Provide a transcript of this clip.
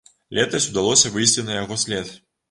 Летась удалося выйсці на яго след.